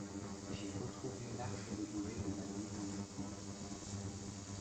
J'y retrouvais l'arche de Noe de ma Bible en estampes.